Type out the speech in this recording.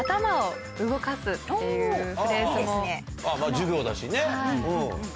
『授業』だしねうん。